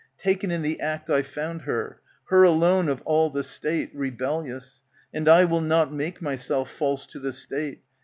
Taken in the act I found her, her alone of all the State, Rebellious. And 1 will not make myself False to the State.